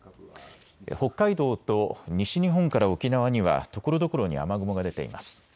北海道と西日本から沖縄にはところどころに雨雲が出ています。